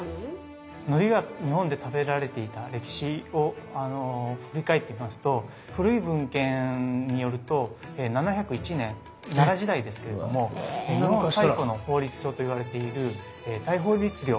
のりが日本で食べられていた歴史を振り返ってみますと古い文献によると７０１年奈良時代ですけれども日本最古の法律書と言われている「大宝律令」